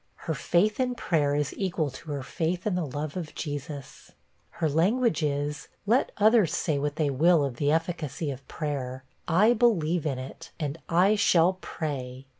Her faith in prayer is equal to her faith in the love of Jesus. Her language is, 'Let others say what they will of the efficacy of prayer, I believe in it, and I shall pray.